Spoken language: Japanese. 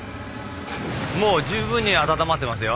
もう十分に温まってますよ